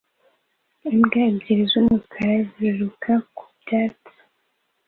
Imbwa ebyiri z'umukara ziruka ku byatsi